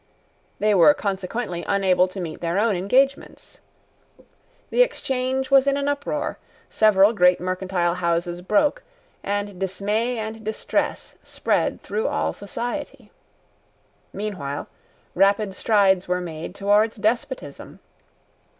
They were consequently unable to meet their own engagements. The Exchange was in an uproar: several great mercantile houses broke; and dismay and distress spread through all society. Meanwhile rapid strides were made towards despotism.